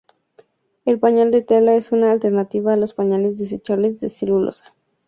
El pañal de tela es una alternativa a los pañales desechables de celulosa.